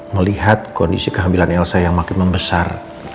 melihat kondisi kehamilan elsa yang makin membesar